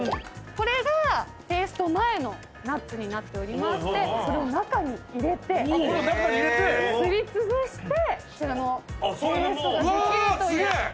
これがペースト前のナッツになっておりましてそれを中に入れてすりつぶしてこちらのペーストができるという。